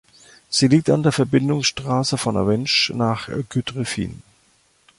Sie liegt an der Verbindungsstrasse von Avenches nach Cudrefin.